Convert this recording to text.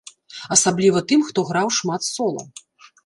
Асабліва тым, хто граў шмат сола.